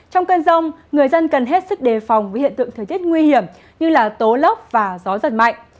trong cơn rông người dân cần hết sức đề phòng với hiện tượng thời tiết nguy hiểm như tố lốc và gió giật mạnh